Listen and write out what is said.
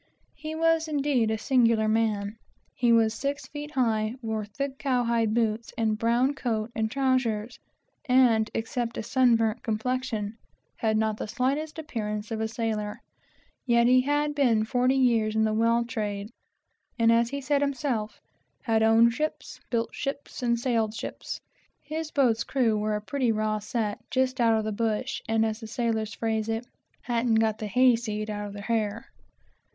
He was indeed a singular man. He was six feet high, wore thick, cowhide boots, and brown coat and trowsers, and, except a sun burnt complexion, had not the slightest appearance of a sailor; yet he had been forty years in the whale trade, and, as he said himself, had owned ships, built ships, and sailed ships. His boat's crew were a pretty raw set, just out of the bush, and as the sailor's phrase is, "hadn't got the hayseed out of their hair."